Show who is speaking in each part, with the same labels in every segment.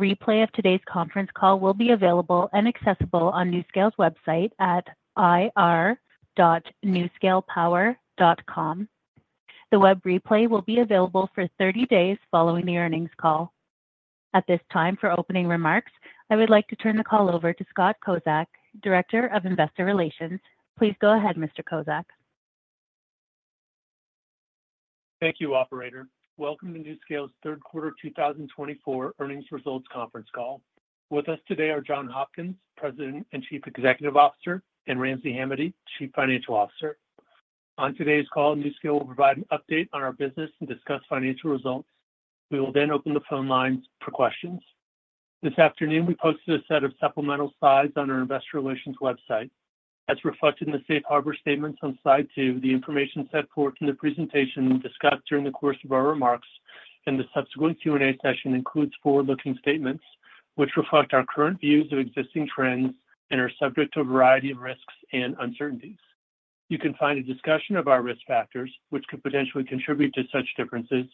Speaker 1: The replay of today's conference call will be available and accessible on NuScale's website at ir dot nuScalePower dot com. The web replay will be available for 30 days following the earnings call. At this time, for opening remarks, I would like to turn the call over to Scott Kozak, Director of Investor Relations. Please go ahead, Mr. Kozak.
Speaker 2: Thank you, Operator. Welcome to NuScale's Third Quarter 2024 Earnings Results Conference Call. With us today are John Hopkins, President and Chief Executive Officer, and Ramsey Hamady, Chief Financial Officer. On today's call, NuScale will provide an update on our business and discuss financial results. We will then open the phone lines for questions. This afternoon, we posted a set of supplemental slides on our Investor Relations website. As reflected in the Safe Harbor Statements on Slide 2, the information set forth in the presentation discussed during the course of our remarks and the subsequent Q&A session includes forward-looking statements which reflect our current views of existing trends and are subject to a variety of risks and uncertainties. You can find a discussion of our risk factors, which could potentially contribute to such differences,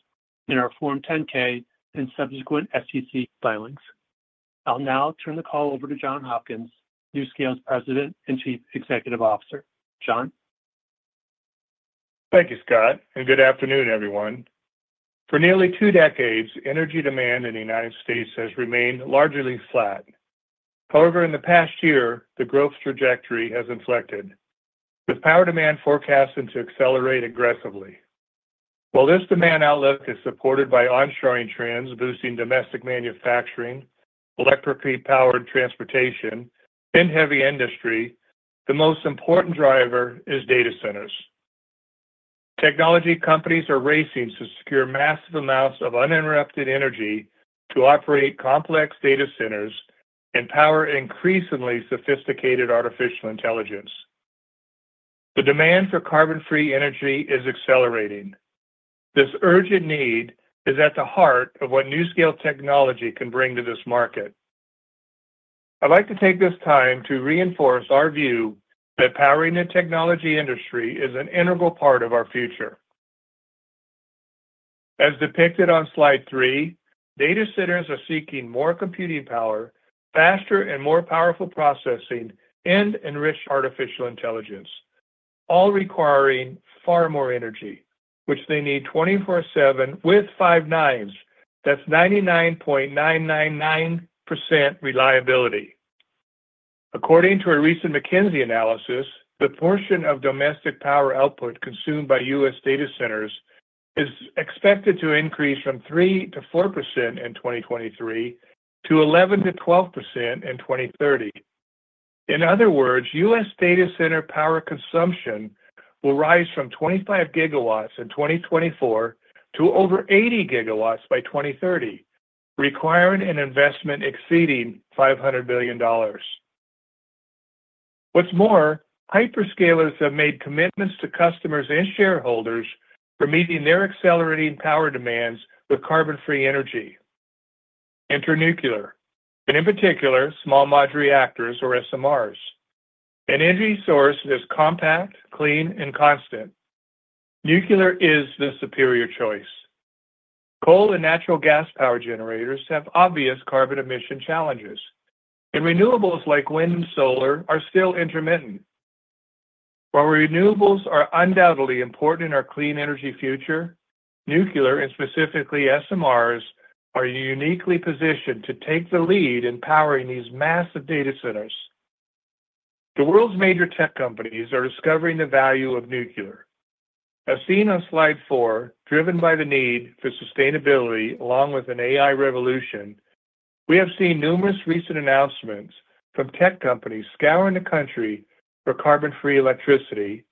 Speaker 2: in our Form 10-K and subsequent SEC filings. I'll now turn the call over to John Hopkins, NuScale's President and Chief Executive Officer. John?
Speaker 3: Thank you, Scott, and good afternoon, everyone. For nearly two decades, energy demand in the United States has remained largely flat. However, in the past year, the growth trajectory has inflected, with power demand forecasts to accelerate aggressively. While this demand outlook is supported by onshoring trends boosting domestic manufacturing, electrically powered transportation, and heavy industry, the most important driver is data centers. Technology companies are racing to secure massive amounts of uninterrupted energy to operate complex data centers and power increasingly sophisticated artificial intelligence. The demand for carbon-free energy is accelerating. This urgent need is at the heart of what NuScale technology can bring to this market. I'd like to take this time to reinforce our view that powering the technology industry is an integral part of our future. As depicted on Slide 3, data centers are seeking more computing power, faster and more powerful processing, and enriched artificial intelligence, all requiring far more energy, which they need 24/7 with five nines. That's 99.999% reliability. According to a recent McKinsey analysis, the portion of domestic power output consumed by U.S. data centers is expected to increase from 3-4% in 2023 to 11-12% in 2030. In other words, U.S. data center power consumption will rise from 25 gigawatts in 2024 to over 80 gigawatts by 2030, requiring an investment exceeding $500 billion. What's more, hyperscalers have made commitments to customers and shareholders for meeting their accelerating power demands with carbon-free energy. Enter nuclear, and in particular, small modular reactors or SMRs. An energy source that is compact, clean, and constant. Nuclear is the superior choice. Coal and natural gas power generators have obvious carbon emission challenges, and renewables like wind and solar are still intermittent. While renewables are undoubtedly important in our clean energy future, nuclear, and specifically SMRs, are uniquely positioned to take the lead in powering these massive data centers. The world's major tech companies are discovering the value of nuclear. As seen on Slide 4, driven by the need for sustainability along with an AI revolution, we have seen numerous recent announcements from tech companies scouring the country for carbon-free electricity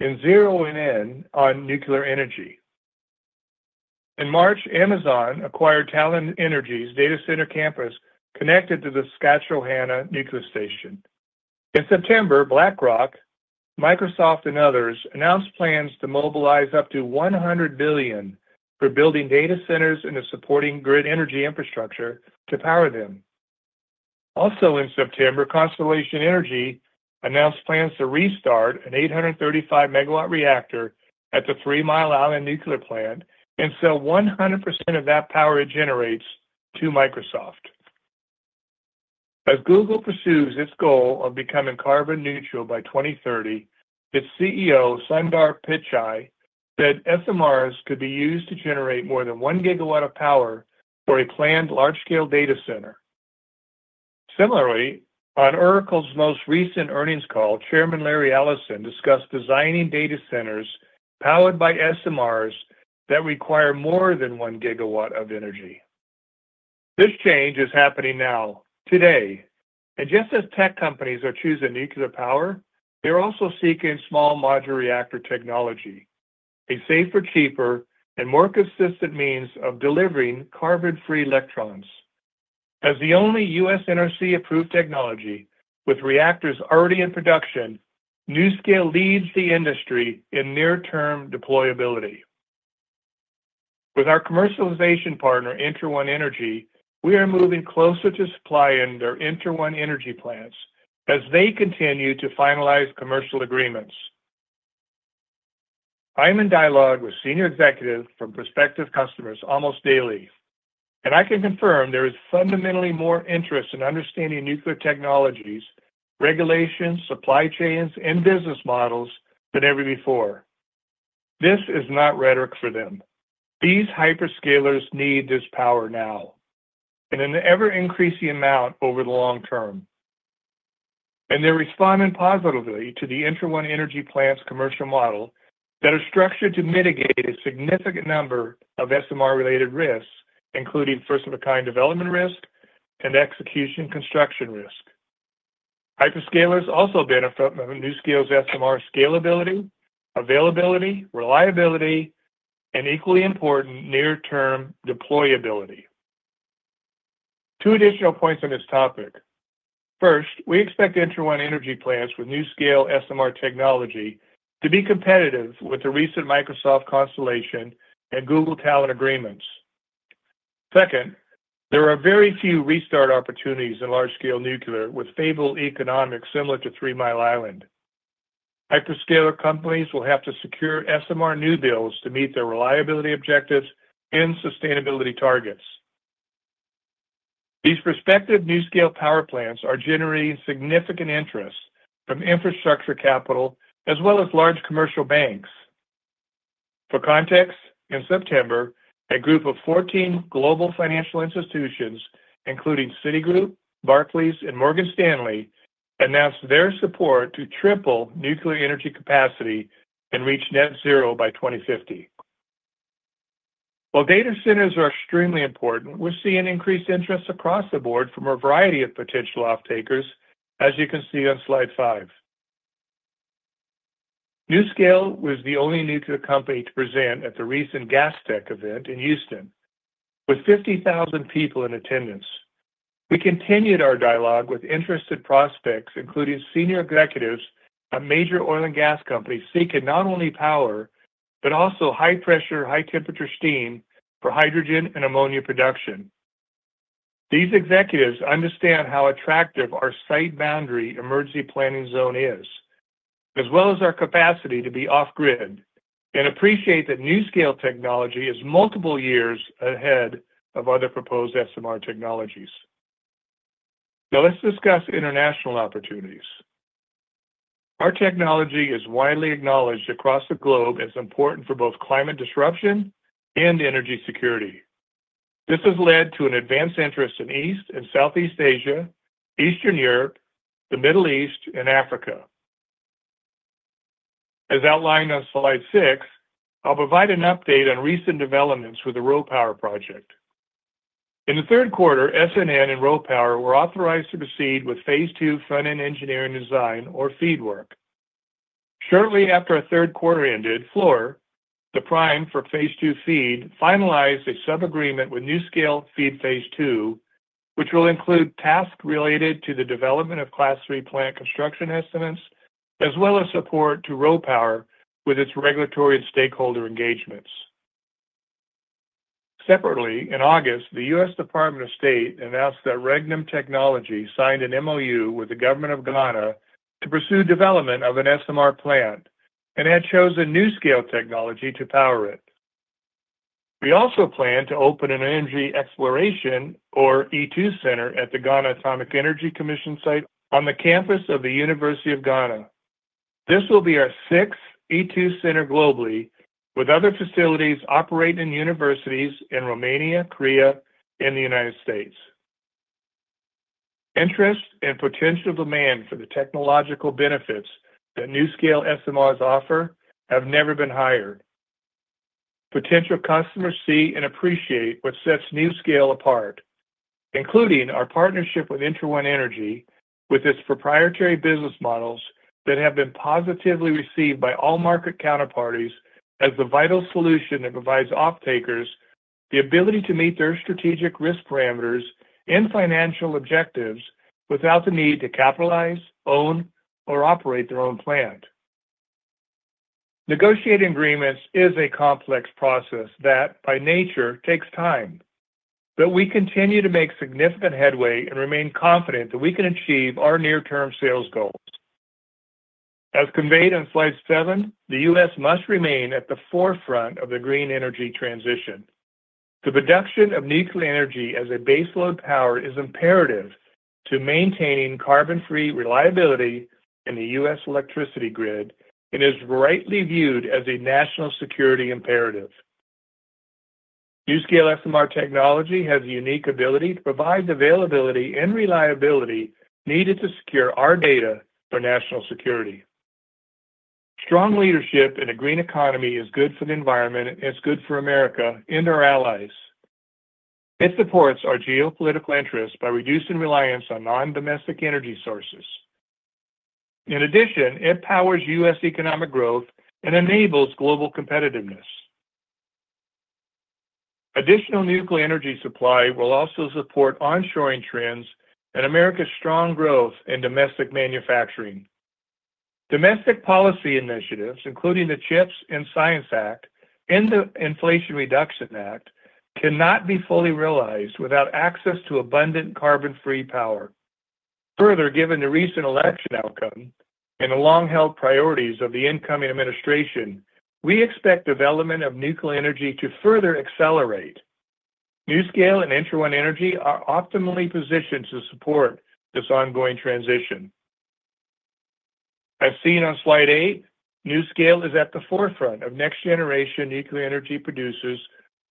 Speaker 3: and zeroing in on nuclear energy. In March, Amazon acquired Talen Energy's data center campus connected to the Susquehanna Steam Electric Station. In September, BlackRock, Microsoft, and others announced plans to mobilize up to $100 billion for building data centers and the supporting grid energy infrastructure to power them. Also, in September, Constellation Energy announced plans to restart an 835-megawatt reactor at the Three Mile Island Nuclear Plant and sell 100% of that power it generates to Microsoft. As Google pursues its goal of becoming carbon neutral by 2030, its CEO, Sundar Pichai, said SMRs could be used to generate more than one gigawatt of power for a planned large-scale data center. Similarly, on Oracle's most recent earnings call, Chairman Larry Ellison discussed designing data centers powered by SMRs that require more than one gigawatt of energy. This change is happening now, today. And just as tech companies are choosing nuclear power, they're also seeking small modular reactor technology, a safer, cheaper, and more consistent means of delivering carbon-free electrons. As the only U.S. NRC-approved technology with reactors already in production, NuScale leads the industry in near-term deployability. With our commercialization partner, Entra1 Energy, we are moving closer to supplying their Entra1 Energy plants as they continue to finalize commercial agreements. I'm in dialogue with senior executives from prospective customers almost daily, and I can confirm there is fundamentally more interest in understanding nuclear technologies, regulations, supply chains, and business models than ever before. This is not rhetoric for them. These hyperscalers need this power now, and an ever-increasing amount over the long term, and they're responding positively to the Entra1 Energy plant's commercial model that is structured to mitigate a significant number of SMR-related risks, including first-of-a-kind development risk and execution construction risk. Hyperscalers also benefit from NuScale's SMR scalability, availability, reliability, and equally important near-term deployability. Two additional points on this topic. First, we expect Entra1 Energy plants with NuScale SMR technology to be competitive with the recent Microsoft Constellation and Google Talen agreements. Second, there are very few restart opportunities in large-scale nuclear with favorable economics similar to Three Mile Island. Hyperscaler companies will have to secure SMR new builds to meet their reliability objectives and sustainability targets. These prospective NuScale power plants are generating significant interest from infrastructure capital as well as large commercial banks. For context, in September, a group of 14 global financial institutions, including Citigroup, Barclays, and Morgan Stanley, announced their support to triple nuclear energy capacity and reach net zero by 2050. While data centers are extremely important, we're seeing increased interest across the board from a variety of potential off-takers, as you can see on Slide 5. NuScale was the only nuclear company to present at the recent Gastech event in Houston, with 50,000 people in attendance. We continued our dialogue with interested prospects, including senior executives at major oil and gas companies seeking not only power but also high-pressure, high-temperature steam for hydrogen and ammonia production. These executives understand how attractive our site-boundary emergency planning zone is, as well as our capacity to be off-grid, and appreciate that NuScale technology is multiple years ahead of other proposed SMR technologies. Now, let's discuss international opportunities. Our technology is widely acknowledged across the globe as important for both climate disruption and energy security. This has led to an advanced interest in East and Southeast Asia, Eastern Europe, the Middle East, and Africa. As outlined on Slide 6, I'll provide an update on recent developments with the RoPower Project. In the third quarter, SNN and RoPower were authorized to proceed with Phase 2 front-end engineering design or FEED work. Shortly after our third quarter ended, Fluor, the prime for Phase 2 FEED, finalized a sub-agreement with NuScale FEED Phase 2, which will include tasks related to the development of Class 3 plant construction estimates, as well as support to RoPower with its regulatory and stakeholder engagements. Separately, in August, the U.S. Department of State announced that Regnum Technology signed an MoU with the government of Ghana to pursue development of an SMR plant and had chosen NuScale technology to power it. We also plan to open an energy exploration, or E2 Center, at the Ghana Atomic Energy Commission site on the campus of the University of Ghana. This will be our sixth E2 Center globally, with other facilities operating in universities in Romania, Korea, and the United States. Interest and potential demand for the technological benefits that NuScale SMRs offer have never been higher. Potential customers see and appreciate what sets NuScale apart, including our partnership with Entra1 Energy, with its proprietary business models that have been positively received by all market counterparties as the vital solution that provides off-takers the ability to meet their strategic risk parameters and financial objectives without the need to capitalize, own, or operate their own plant. Negotiating agreements is a complex process that, by nature, takes time, but we continue to make significant headway and remain confident that we can achieve our near-term sales goals. As conveyed on Slide 7, the U.S. must remain at the forefront of the green energy transition. The production of nuclear energy as a baseload power is imperative to maintaining carbon-free reliability in the U.S. electricity grid and is rightly viewed as a national security imperative. NuScale SMR technology has a unique ability to provide the availability and reliability needed to secure our data for national security. Strong leadership in a green economy is good for the environment, and it's good for America and our allies. It supports our geopolitical interests by reducing reliance on non-domestic energy sources. In addition, it powers U.S. economic growth and enables global competitiveness. Additional nuclear energy supply will also support onshoring trends and America's strong growth in domestic manufacturing. Domestic policy initiatives, including the CHIPS and Science Act and the Inflation Reduction Act, cannot be fully realized without access to abundant carbon-free power. Further, given the recent election outcome and the long-held priorities of the incoming administration, we expect development of nuclear energy to further accelerate. NuScale and Entra1 Energy are optimally positioned to support this ongoing transition. As seen on Slide 8, NuScale is at the forefront of next-generation nuclear energy producers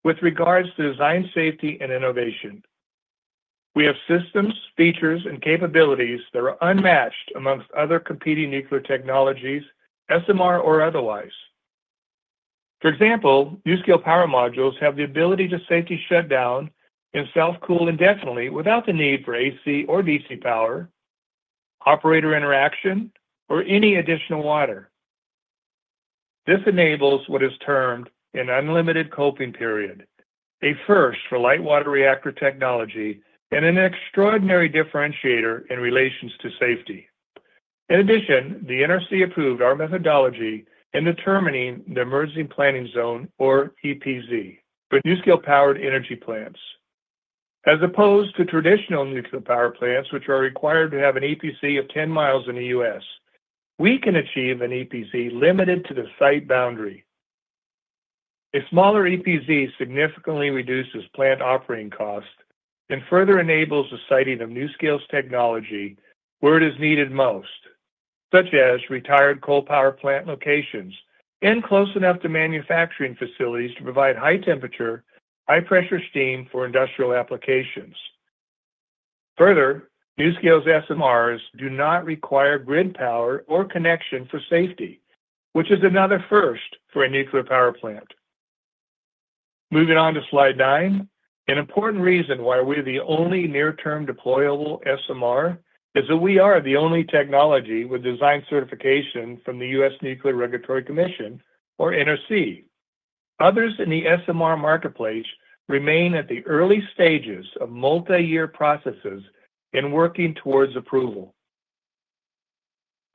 Speaker 3: with regards to design safety and innovation. We have systems, features, and capabilities that are unmatched amongst other competing nuclear technologies, SMR or otherwise. For example, NuScale power modules have the ability to safely shut down and self-cool indefinitely without the need for AC or DC power, operator interaction, or any additional water. This enables what is termed an unlimited coping period, a first for light water reactor technology, and an extraordinary differentiator in relation to safety. In addition, the NRC approved our methodology in determining the Emergency Planning Zone, or EPZ, for NuScale-powered energy plants. As opposed to traditional nuclear power plants, which are required to have an EPZ of 10 miles in the U.S., we can achieve an EPZ limited to the site boundary. A smaller EPZ significantly reduces plant operating costs and further enables the siting of NuScale's technology where it is needed most, such as retired coal power plant locations and close enough to manufacturing facilities to provide high-temperature, high-pressure steam for industrial applications. Further, NuScale's SMRs do not require grid power or connection for safety, which is another first for a nuclear power plant. Moving on to Slide 9, an important reason why we're the only near-term deployable SMR is that we are the only technology with design certification from the U.S. Nuclear Regulatory Commission, or NRC. Others in the SMR marketplace remain at the early stages of multi-year processes and working towards approval.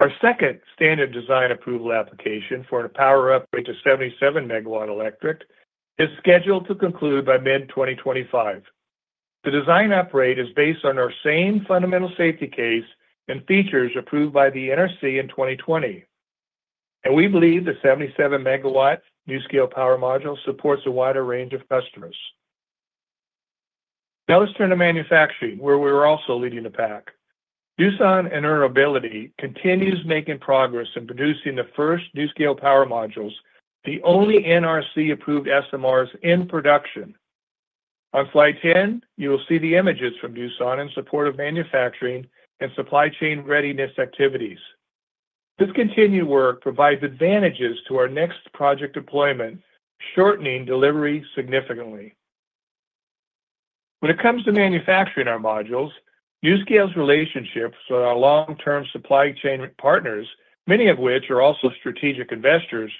Speaker 3: Our second standard design approval application for a power upgrade to 77-megawatt electric is scheduled to conclude by mid-2025. The design upgrade is based on our same fundamental safety case and features approved by the NRC in 2020. And we believe the 77 megawatt NuScale power module supports a wider range of customers. Now, let's turn to manufacturing, where we're also leading the pack. Doosan Enerbility and Entra1 Energy continue making progress in producing the first NuScale power modules, the only NRC-approved SMRs in production. On Slide 10, you will see the images from Doosan Enerbility in support of manufacturing and supply chain readiness activities. This continued work provides advantages to our next project deployment, shortening delivery significantly. When it comes to manufacturing our modules, NuScale's relationships with our long-term supply chain partners, many of which are also strategic investors,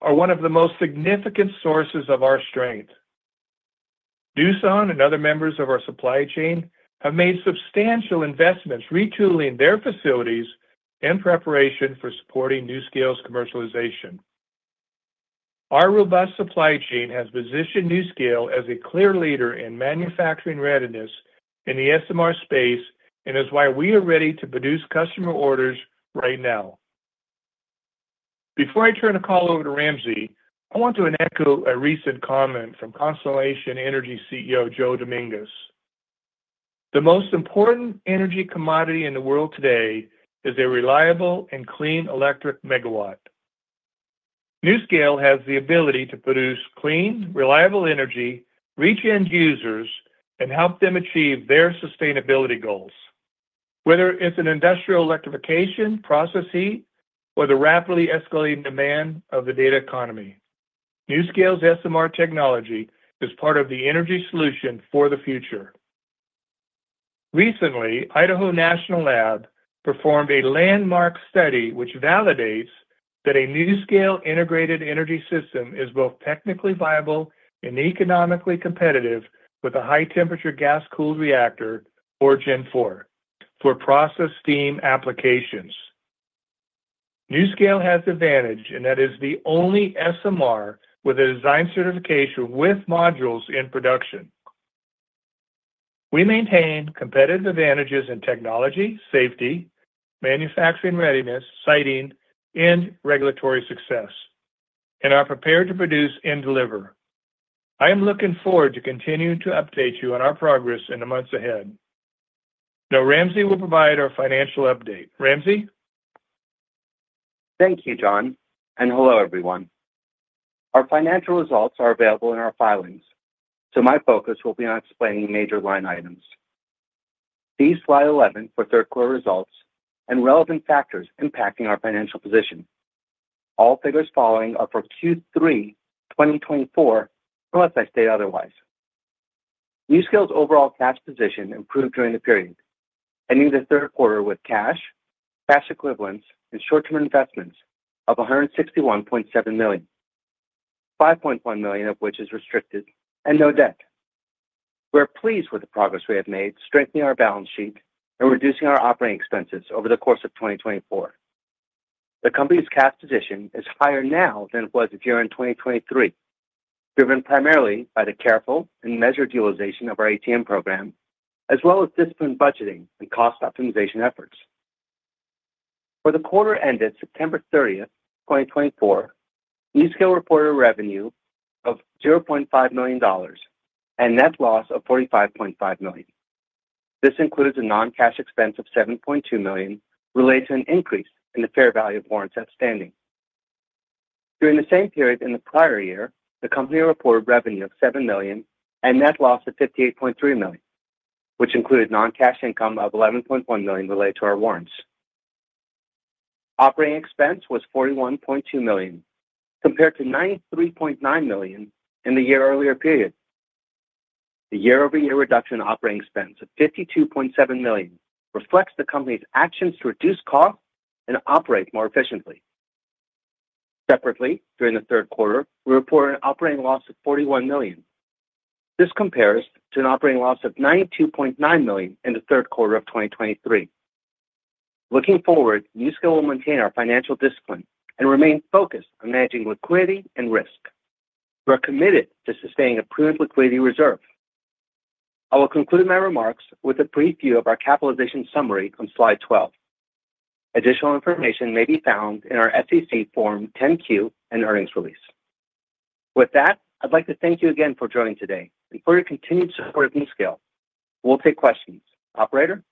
Speaker 3: are one of the most significant sources of our strength. Doosan Enerbility and other members of our supply chain have made substantial investments retooling their facilities in preparation for supporting NuScale's commercialization. Our robust supply chain has positioned NuScale as a clear leader in manufacturing readiness in the SMR space and is why we are ready to produce customer orders right now. Before I turn the call over to Ramsey, I want to echo a recent comment from Constellation Energy CEO Joe Dominguez. The most important energy commodity in the world today is a reliable and clean electric megawatt. NuScale has the ability to produce clean, reliable energy, reach end users, and help them achieve their sustainability goals, whether it's an industrial electrification, process heat, or the rapidly escalating demand of the data economy. NuScale's SMR technology is part of the energy solution for the future. Recently, Idaho National Lab performed a landmark study which validates that a NuScale integrated energy system is both technically viable and economically competitive with a high-temperature gas-cooled reactor, or Gen 4, for process steam applications. NuScale has the advantage in that it is the only SMR with a design certification with modules in production. We maintain competitive advantages in technology, safety, manufacturing readiness, siting, and regulatory success, and are prepared to produce and deliver. I am looking forward to continuing to update you on our progress in the months ahead. Now, Ramsey will provide our financial update. Ramsey? Thank you, John. And hello, everyone. Our financial results are available in our filings, so my focus will be on explaining major line items. This slide 11 for third quarter results and relevant factors impacting our financial position. All figures following are for Q3 2024, unless I state otherwise. NuScale's overall cash position improved during the period, ending the third quarter with cash, cash equivalents, and short-term investments of $161.7 million, $5.1 million of which is restricted and no debt. We're pleased with the progress we have made strengthening our balance sheet and reducing our operating expenses over the course of 2024. The company's cash position is higher now than it was during 2023, driven primarily by the careful and measured utilization of our ATM program, as well as disciplined budgeting and cost optimization efforts. For the quarter ended September 30, 2024, NuScale reported a revenue of $0.5 million and net loss of $45.5 million. This includes a non-cash expense of $7.2 million related to an increase in the fair value of warrants outstanding. During the same period in the prior year, the company reported revenue of $7 million and net loss of $58.3 million, which included non-cash income of $11.1 million related to our warrants. Operating expense was $41.2 million, compared to $93.9 million in the year earlier period. The year-over-year reduction in operating expense of $52.7 million reflects the company's actions to reduce costs and operate more efficiently. Separately, during the third quarter, we reported an operating loss of $41 million. This compares to an operating loss of $92.9 million in the third quarter of 2023. Looking forward, NuScale will maintain our financial discipline and remain focused on managing liquidity and risk. We are committed to sustaining a prudent liquidity reserve. I will conclude my remarks with a preview of our capitalization summary on Slide 12. Additional information may be found in our Form 10-Q and earnings release. With that, I'd like to thank you again for joining today and for your continued support of NuScale. We'll take questions. Operator?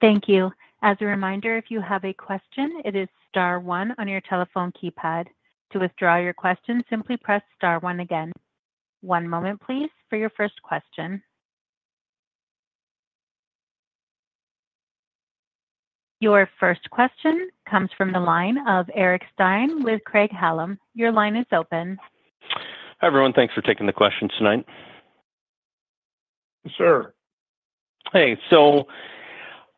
Speaker 1: Thank you. As a reminder, if you have a question, it is Star 1 on your telephone keypad. To withdraw your question, simply press Star 1 again. One moment, please, for your first question. Your first question comes from the line of Eric Stine with Craig-Hallum. Your line is open.
Speaker 4: Hi, everyone. Thanks for taking the question tonight. Sure. Hey, so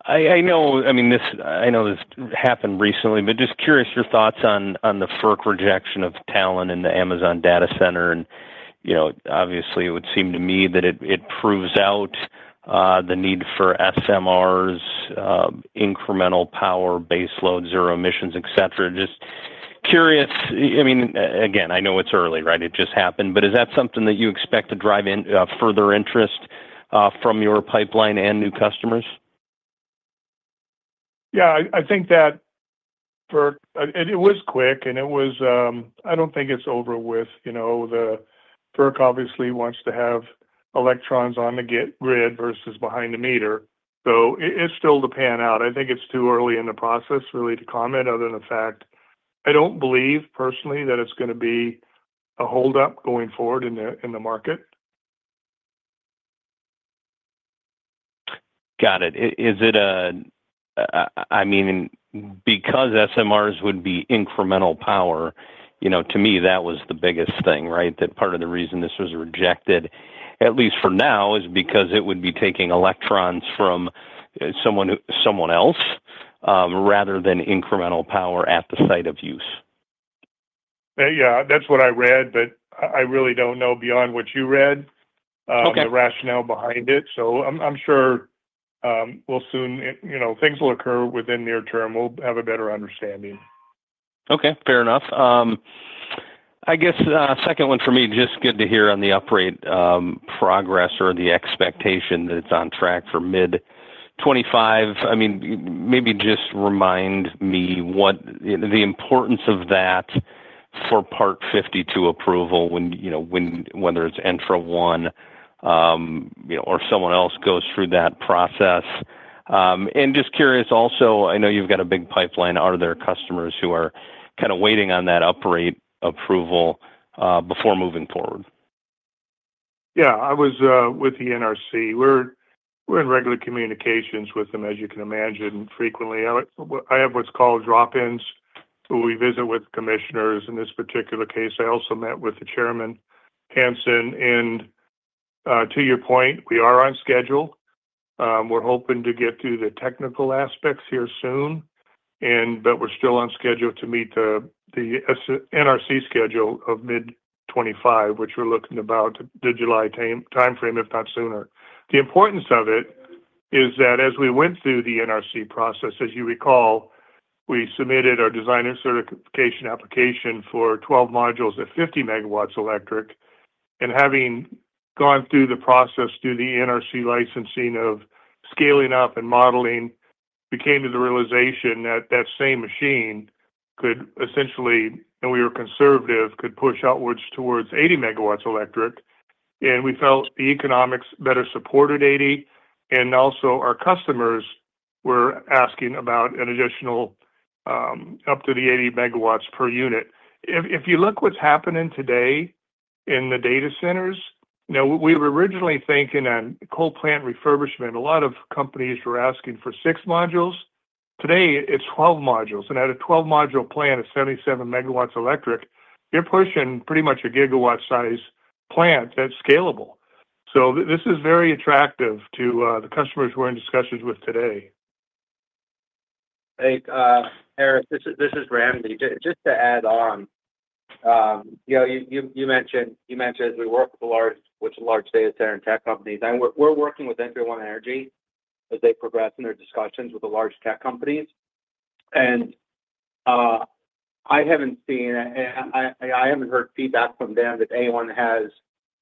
Speaker 4: I know I mean, I know this happened recently, but just curious your thoughts on the FERC rejection of Talen and the Amazon data center. And obviously, it would seem to me that it proves out the need for SMRs, incremental power, baseload, zero emissions, etc. Just curious. I mean, again, I know it's early, right? It just happened. But is that something that you expect to drive further interest from your pipeline and new customers?
Speaker 2: Yeah, I think that it was quick, and I don't think it's over with. The FERC obviously wants to have electrons on the grid versus behind the meter. So it's still to play out. I think it's too early in the process, really, to comment, other than the fact I don't believe, personally, that it's going to be a holdup going forward in the market.
Speaker 4: Got it. I mean, because SMRs would be incremental power, to me, that was the biggest thing, right? That part of the reason this was rejected, at least for now, is because it would be taking electrons from someone else rather than incremental power at the site of use.
Speaker 2: Yeah, that's what I read, but I really don't know beyond what you read the rationale behind it. So I'm sure we'll soon things will occur within near term. We'll have a better understanding. Okay. Fair enough. I guess second one for me, just good to hear on the upgrade progress or the expectation that it's on track for mid-2025.
Speaker 4: I mean, maybe just remind me what the importance of that for Part 52 approval, whether it's Entra1 or someone else goes through that process. And just curious also, I know you've got a big pipeline. Are there customers who are kind of waiting on that upgrade approval before moving forward?
Speaker 2: Yeah, I was with the NRC. We're in regular communications with them, as you can imagine, frequently. I have what's called drop-ins, who we visit with commissioners. In this particular case, I also met with the chairman, Hanson. And to your point, we are on schedule. We're hoping to get through the technical aspects here soon, but we're still on schedule to meet the NRC schedule of mid-25, which we're looking about the July timeframe, if not sooner. The importance of it is that as we went through the NRC process, as you recall, we submitted our design certification application for 12 modules at 50 megawatts electric, and having gone through the process, through the NRC licensing of scaling up and modeling, we came to the realization that that same machine could essentially, and we were conservative, could push outwards towards 80 megawatts electric, and we felt the economics better supported 80, and also, our customers were asking about an additional up to the 80 megawatts per unit. If you look at what's happening today in the data centers, now, we were originally thinking on coal plant refurbishment. A lot of companies were asking for six modules. Today, it's 12 modules, and at a 12-module plant of 77 megawatts electric, you're pushing pretty much a gigawatt-sized plant that's scalable. So this is very attractive to the customers we're in discussions with today.
Speaker 5: Hey, Eric, this is Ramsey. Just to add on, you mentioned we work with a large data center and tech companies. And we're working with Entra1 Energy as they progress in their discussions with the large tech companies. And I haven't heard feedback from them that anyone has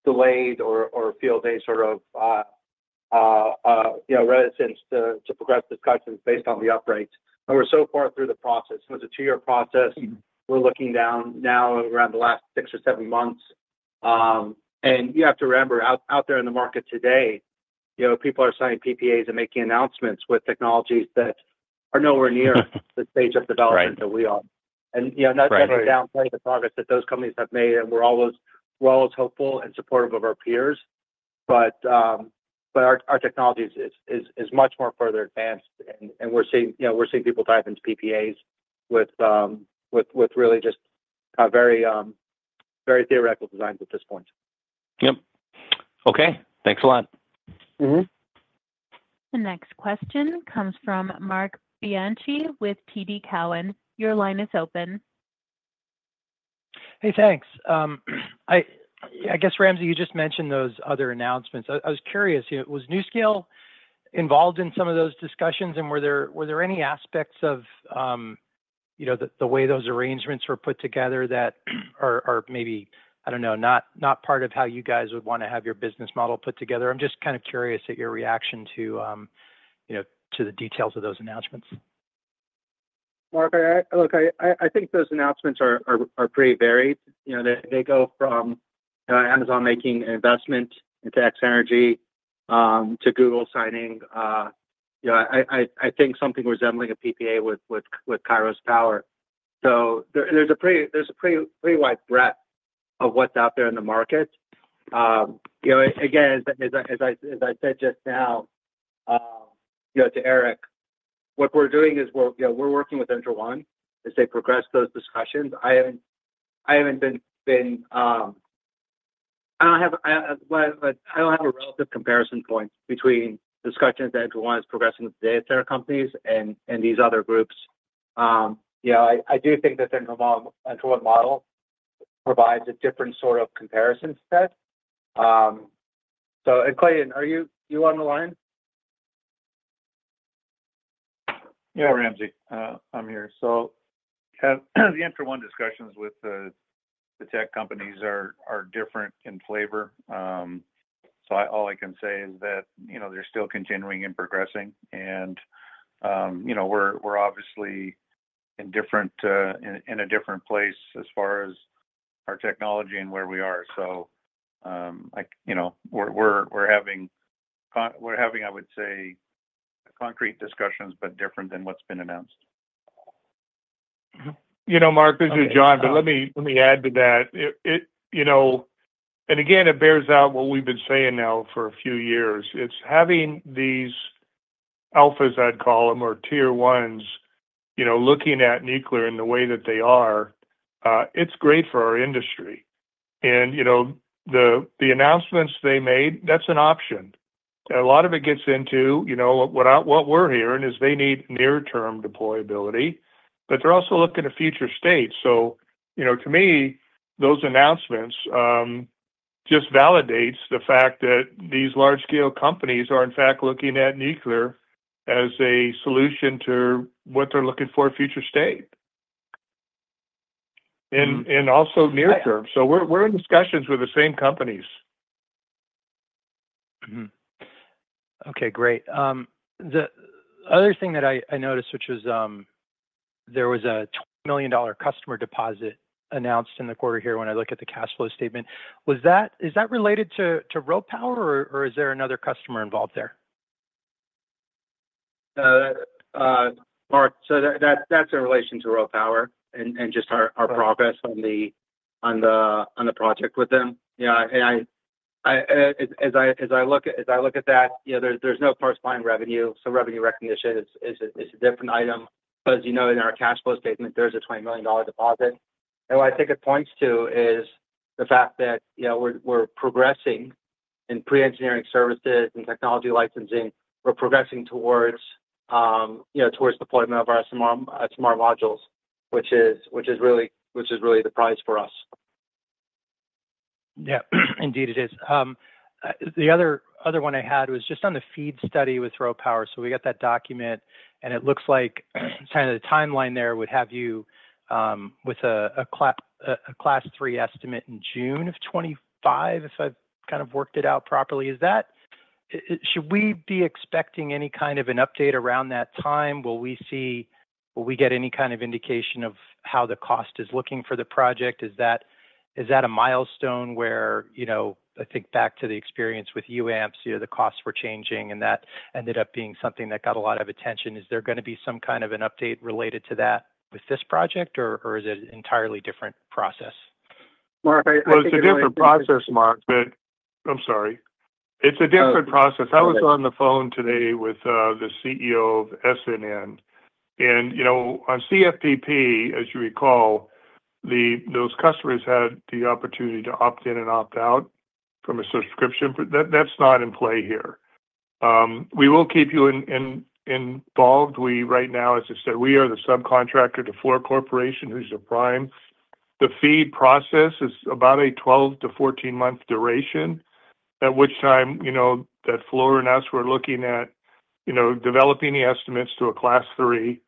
Speaker 5: delayed or felt any sort of reticence to progress discussions based on the upgrades. We're so far through the process. It was a two-year process. We're now down to around the last six or seven months. And you have to remember, out there in the market today, people are signing PPAs and making announcements with technologies that are nowhere near the stage of development that we are. And not to downplay the progress that those companies have made, and we're always hopeful and supportive of our peers. But our technology is much more further advanced, and we're seeing people dive into PPAs with really just very theoretical designs at this point. Yep. Okay. Thanks a lot.
Speaker 1: The next question comes from Marc Bianchi with TD Cowen. Your line is open.
Speaker 6: Hey, thanks. I guess, Ramsey, you just mentioned those other announcements. I was curious, was NuScale involved in some of those discussions, and were there any aspects of the way those arrangements were put together that are maybe, I don't know, not part of how you guys would want to have your business model put together? I'm just kind of curious at your reaction to the details of those announcements. Look, I think those announcements are pretty varied. They go from Amazon making an investment in X-energy to Google signing—I think something resembling a PPA with Kairos Power. So there's a pretty wide breadth of what's out there in the market. Again, as I said just now to Eric, what we're doing is we're working with Entra1 as they progress those discussions. I haven't been—I don't have a relative comparison point between discussions that Entra1 is progressing with data center companies and these other groups. I do think that the Entra1 model provides a different sort of comparison set. So, and Clayton, are you on the line?
Speaker 7: Yeah, Ramsey. I'm here. So the Entra1 discussions with the tech companies are different in flavor. So all I can say is that they're still continuing and progressing. And we're obviously in a different place as far as our technology and where we are. We're having, I would say, concrete discussions, but different than what's been announced.
Speaker 3: You know, Mark, this is John, but let me add to that. And again, it bears out what we've been saying now for a few years. It's having these alphas, I'd call them, or tier ones looking at nuclear in the way that they are. It's great for our industry. And the announcements they made, that's an option. A lot of it gets into what we're hearing is they need near-term deployability, but they're also looking at future state. So to me, those announcements just validate the fact that these large-scale companies are, in fact, looking at nuclear as a solution to what they're looking for future state. And also near-term. So we're in discussions with the same companies.
Speaker 6: Okay. Great. The other thing that I noticed, which is there was a $20 million customer deposit announced in the quarter here when I look at the cash flow statement. Is that related to RoPower or is there another customer involved there?
Speaker 5: Mark, so that's in relation to RoPower and just our progress on the project with them. Yeah. And as I look at that, there's no corresponding revenue. So revenue recognition is a different item. But as you know, in our cash flow statement, there's a $20 million deposit. And what I think it points to is the fact that we're progressing in pre-engineering services and technology licensing. We're progressing towards deployment of our SMR modules, which is really the prize for us.
Speaker 6: Yeah. Indeed, it is. The other one I had was just on the FEED study with RoPower. So we got that document, and it looks like kind of the timeline there would have you with a Class 3 Estimate in June of 2025, if I've kind of worked it out properly. Should we be expecting any kind of an update around that time? Will we get any kind of indication of how the cost is looking for the project? Is that a milestone where I think back to the experience with UAMPS, the costs were changing and that ended up being something that got a lot of attention. Is there going to be some kind of an update related to that with this project, or is it an entirely different process?
Speaker 7: Mark, I think it's a different process, Mark, but I'm sorry. It's a different process. I was on the phone today with the CEO of SNN. And on CFPP, as you recall, those customers had the opportunity to opt in and opt out from a subscription. That's not in play here. We will keep you involved. Right now, as I said, we are the subcontractor to Fluor Corporation, who's the prime. The FEED process is about a 12- to 14-month duration, at which time that Fluor and us were looking at developing the estimates to a Class 3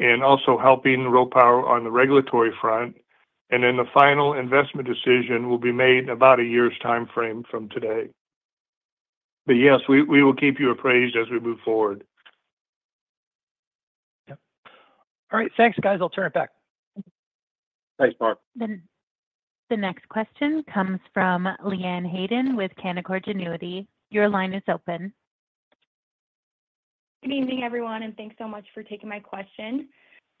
Speaker 7: and also helping RoPower on the regulatory front. And then the final investment decision will be made about a year's timeframe from today. But yes, we will keep you appraised as we move forward.
Speaker 6: All right. Thanks, guys. I'll turn it back.
Speaker 2: Thanks, Mark.
Speaker 6: The next question comes from Leanne Hayden with Canaccord Genuity. Your line is open.
Speaker 8: Good evening, everyone, and thanks so much for taking my question.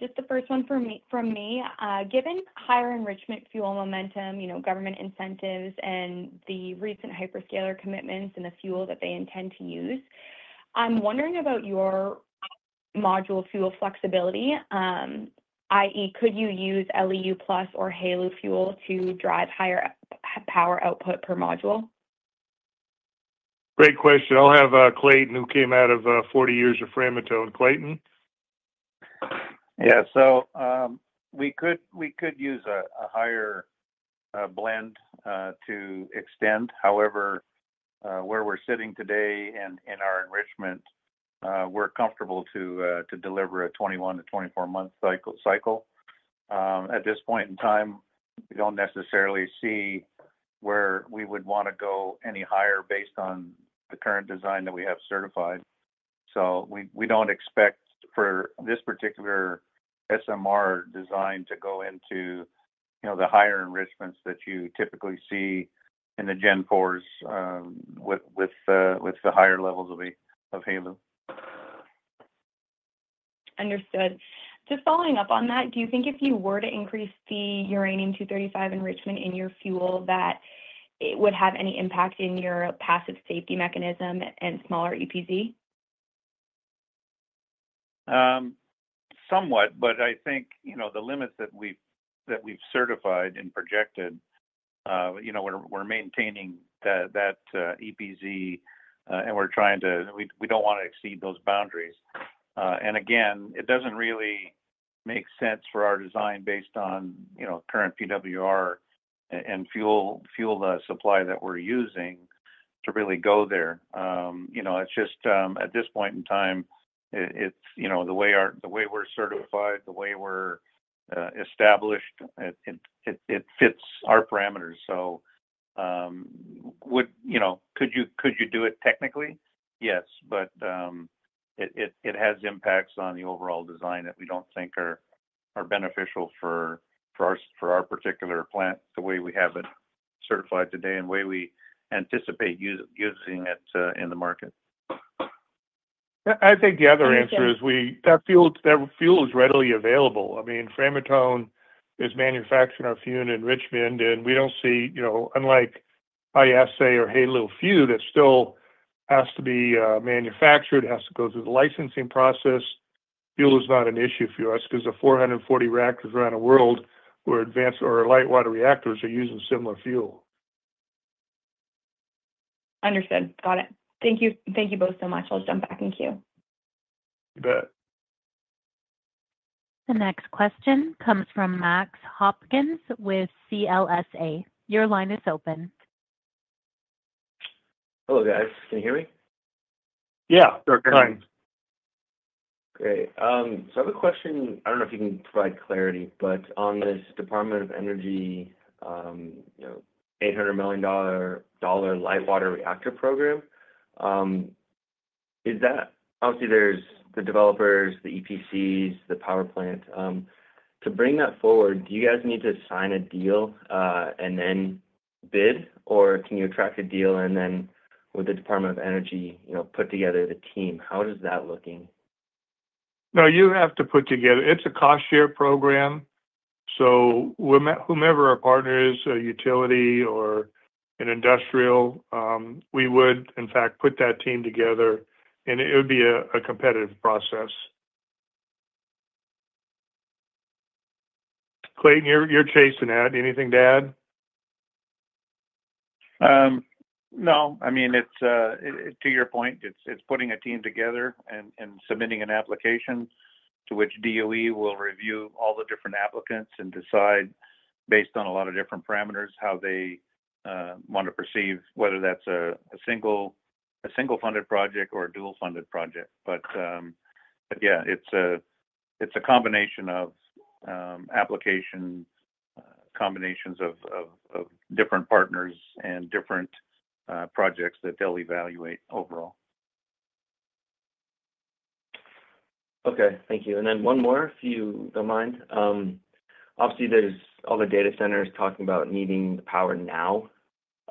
Speaker 8: Just the first one from me. Given higher enrichment fuel momentum, government incentives, and the recent hyperscaler commitments in the fuel that they intend to use, I'm wondering about your module fuel flexibility, i.e., could you use LEU Plus or HALEU fuel to drive higher power output per module?
Speaker 3: Great question. I'll have Clayton, who came out of 40 years of Framatome, Clayton. Yeah. So we could use a higher blend to extend. However, where we're sitting today in our enrichment, we're comfortable to deliver a 21-24-month cycle. At this point in time, we don't necessarily see where we would want to go any higher based on the current design that we have certified. So we don't expect for this particular SMR design to go into the higher enrichments that you typically see in the Gen 4s with the higher levels of HALEU. Understood.
Speaker 8: Just following up on that, do you think if you were to increase the uranium-235 enrichment in your fuel, that it would have any impact in your passive safety mechanism and smaller EPZ?
Speaker 3: Somewhat, but I think the limits that we've certified and projected, we're maintaining that EPZ, and we're trying to we don't want to exceed those boundaries. And again, it doesn't really make sense for our design based on current PWR and fuel supply that we're using to really go there. It's just, at this point in time, the way we're certified, the way we're established, it fits our parameters. So could you do it technically? Yes. But it has impacts on the overall design that we don't think are beneficial for our particular plant, the way we have it certified today, and the way we anticipate using it in the market.
Speaker 7: I think the other answer is that fuel is readily available. I mean, Framatome is manufacturing our fuel in Richmond, and we don't see, unlike HALEU fuel, that still has to be manufactured, has to go through the licensing process. Fuel is not an issue for us because the 440 reactors around the world or light water reactors are using similar fuel.
Speaker 8: Understood. Got it. Thank you both so much. I'll jump back in queue.
Speaker 7: You bet.
Speaker 1: The next question comes from Max Hopkins with CLSA. Your line is open.
Speaker 9: Hello, guys. Can you hear me?
Speaker 3: Yeah. Good.
Speaker 9: Great. So I have a question. I don't know if you can provide clarity, but on this Department of Energy $800 million light water reactor program, obviously, there's the developers, the EPCs, the power plant. To bring that forward, do you guys need to sign a deal and then bid, or can you attract a deal and then, with the Department of Energy, put together the team? How is that looking?
Speaker 2: No, you have to put together. It's a cost-share program. So whomever our partner is, a utility or an industrial, we would, in fact, put that team together, and it would be a competitive process. Clayton, you're chasing that. Anything to add?
Speaker 7: No. I mean, to your point, it's putting a team together and submitting an application to which DOE will review all the different applicants and decide, based on a lot of different parameters, how they want to perceive whether that's a single-funded project or a dual-funded project. But yeah, it's a combination of applications, combinations of different partners, and different projects that they'll evaluate overall.
Speaker 9: Okay. Thank you. And then one more, if you don't mind. Obviously, there's all the data centers talking about needing power now,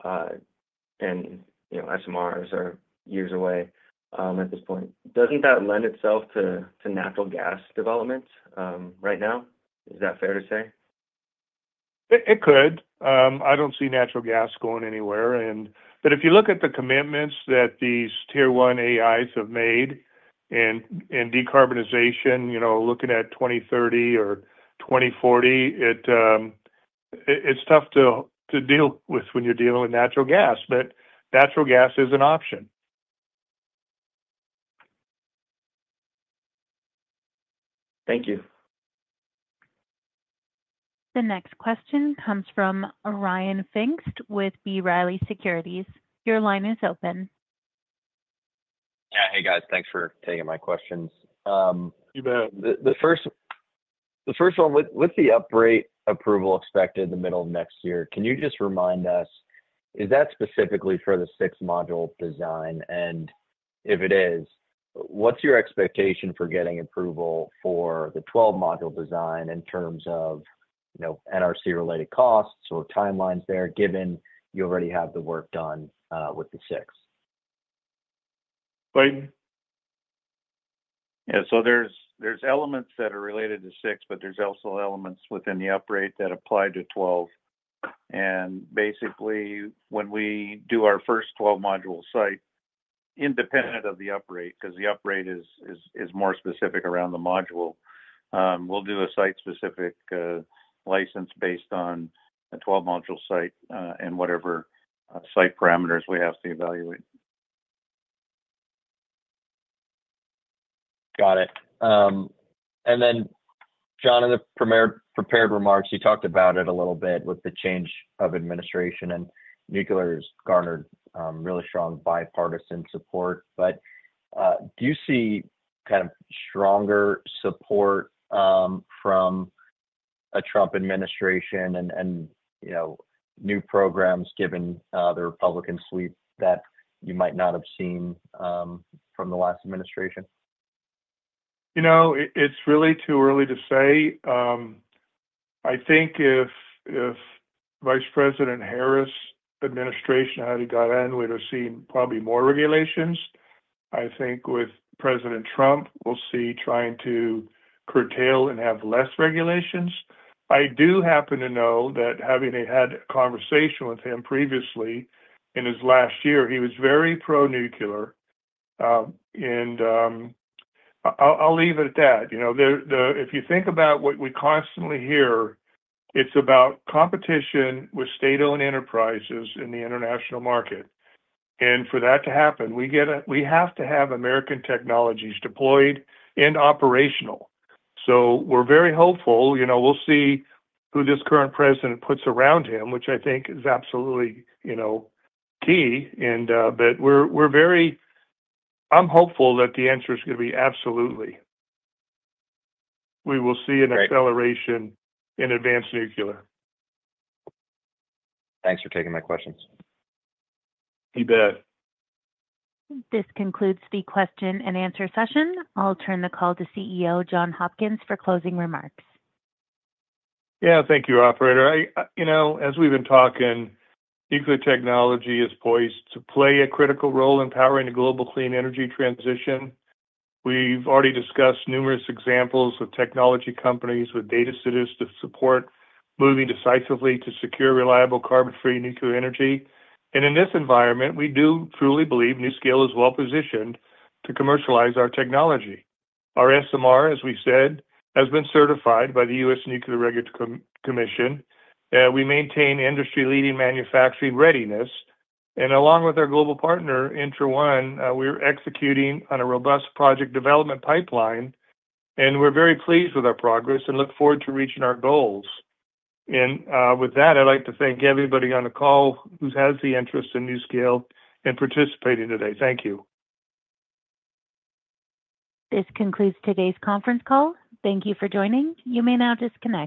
Speaker 9: and SMRs are years away at this point. Doesn't that lend itself to natural gas development right now? Is that fair to say?
Speaker 7: It could. I don't see natural gas going anywhere. But if you look at the commitments that these tier one AIs have made and decarbonization, looking at 2030 or 2040, it's tough to deal with when you're dealing with natural gas, but natural gas is an option.
Speaker 9: Thank you.
Speaker 1: The next question comes from Ryan Pfingst with B. Riley Securities. Your line is open.
Speaker 10: Yeah. Hey, guys. Thanks for taking my questions. You bet. The first one, with the upgrade approval expected in the middle of next year, can you just remind us, is that specifically for the six-module design? And if it is, what's your expectation for getting approval for the 12-module design in terms of NRC-related costs or timelines there, given you already have the work done with the six?
Speaker 2: Clayton?
Speaker 7: Yeah. So there's elements that are related to six, but there's also elements within the upgrade that apply to 12. And basically, when we do our first 12-module site, independent of the upgrade, because the upgrade is more specific around the module, we'll do a site-specific license based on a 12-module site and whatever site parameters we have to evaluate.
Speaker 10: Got it. And then, John, in the prepared remarks, you talked about it a little bit with the change of administration, and nuclear has garnered really strong bipartisan support. But do you see kind of stronger support from a Trump administration and new programs, given the Republican sweep that you might not have seen from the last administration?
Speaker 3: It's really too early to say. I think if Vice President Harris's administration hadn't got in, we'd have seen probably more regulations. I think with President Trump, we'll see trying to curtail and have less regulations. I do happen to know that having had a conversation with him previously in his last year, he was very pro-nuclear. And I'll leave it at that. If you think about what we constantly hear, it's about competition with state-owned enterprises in the international market. And for that to happen, we have to have American technologies deployed and operational. So we're very hopeful. We'll see who this current president puts around him, which I think is absolutely key. But I'm hopeful that the answer is going to be absolutely. We will see an acceleration in advanced nuclear.
Speaker 10: Thanks for taking my questions.
Speaker 3: You bet.
Speaker 1: This concludes the question and answer session. I'll turn the call to CEO John Hopkins for closing remarks.
Speaker 3: Yeah. Thank you, Operator. As we've been talking, nuclear technology is poised to play a critical role in powering the global clean energy transition. We've already discussed numerous examples of technology companies with data centers to support moving decisively to secure reliable carbon-free nuclear energy. And in this environment, we do truly believe NuScale is well-positioned to commercialize our technology. Our SMR, as we said, has been certified by the U.S. Nuclear Regulatory Commission. We maintain industry-leading manufacturing readiness. And along with our global partner, Entra1, we're executing on a robust project development pipeline. And we're very pleased with our progress and look forward to reaching our goals. And with that, I'd like to thank everybody on the call who has the interest in NuScale and participating today. Thank you.
Speaker 1: This concludes today's conference call. Thank you for joining. You may now disconnect.